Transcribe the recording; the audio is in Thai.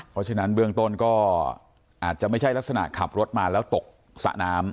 เพราะฉะนั้นเบื้องต้นก็อาจจะไม่ใช่ลักษณะขับรถมาแล้วตกสระน้ำ